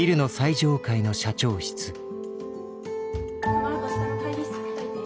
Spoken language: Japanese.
このあと下の会議室空けといて。